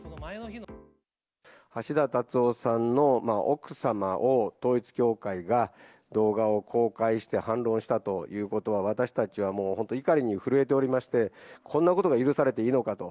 橋田達夫さんの奥様を、統一教会が動画を公開して反論したということは、私たちはもう怒りに震えておりまして、こんなことが許されていいのかと。